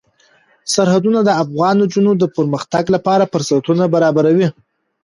سرحدونه د افغان نجونو د پرمختګ لپاره فرصتونه برابروي.